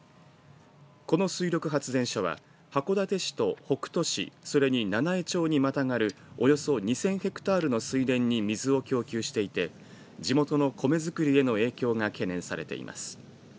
この水力発電所は函館市と北斗市それに七飯町にまたがるおよそ２０００ヘクタールの水田に水を供給していて地元の米作りへの影響が懸念されています。